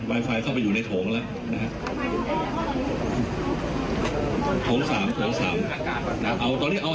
ไวไฟเข้าไปอยู่ในโถงแล้วนะครับโถง๓โถง๓ตอนนี้เอา